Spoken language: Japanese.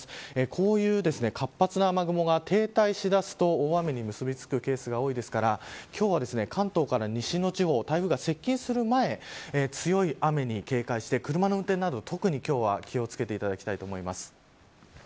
こういう活発な雨雲が停滞しだすと大雨に結びつくケースが多いですから今日は関東から西の地方台風が接近する前強い雨に警戒して車の運転など、特に今日は気を付けていただきたいと思います。